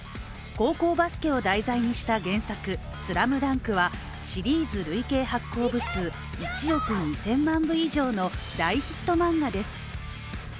高校バスケを題材にした原作「ＳＬＡＭＤＵＮＫ」はシリーズ累計発行部数１億２０００万部以上の大ヒット漫画です。